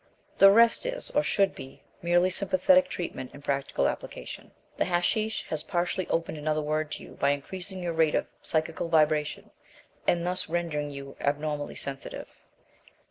The rest is, or should be, merely sympathetic treatment and practical application. The hashish has partially opened another world to you by increasing your rate of psychical vibration, and thus rendering you abnormally sensitive.